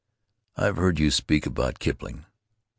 I've heard you speak about Kipling.